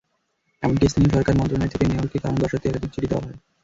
এমনকি স্থানীয় সরকার মন্ত্রণালয় থেকে মেয়রকে কারণ দর্শাতে একাধিক চিঠি দেওয়া হয়।